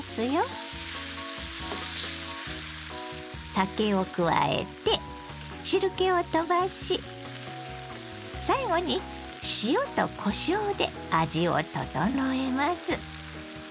酒を加えて汁けをとばし最後に塩とこしょうで味を調えます。